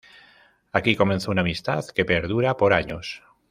Aquí comenzó una amistad que perdura por años.